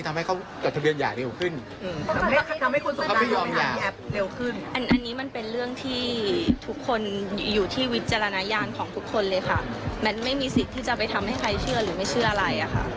อันนี้มันเป็นเรื่องที่ทุกคนอยู่ที่วิจารณญาณของทุกคนเลยค่ะแมนไม่มีสิทธิ์ที่จะไปทำให้ใครเชื่อหรือไม่เชื่ออะไรอ่ะค่ะ